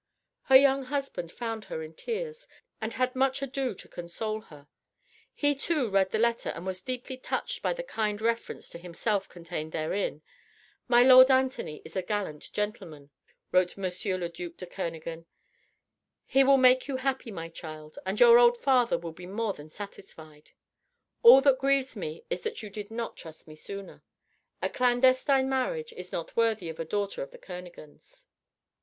Her young husband found her in tears, and had much ado to console her: he too read the letter and was deeply touched by the kind reference to himself contained therein: "My lord Anthony is a gallant gentleman," wrote M. le duc de Kernogan, "he will make you happy, my child, and your old father will be more than satisfied. All that grieves me is that you did not trust me sooner. A clandestine marriage is not worthy of a daughter of the Kernogans."